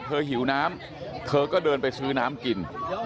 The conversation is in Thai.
หิวน้ำเธอก็เดินไปซื้อน้ำกิน